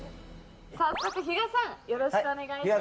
早速、比嘉さんよろしくお願いします。